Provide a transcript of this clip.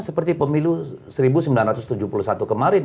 seperti pemilu seribu sembilan ratus tujuh puluh satu kemarin